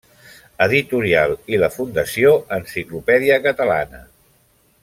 Editorial i la Fundació Enciclopèdia Catalana.